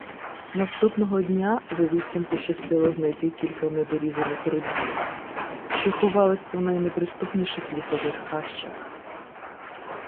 Наступного дня вивідцям пощастило знайти кілька недорізаних родів, що ховались у найнеприступніших лісових хащах.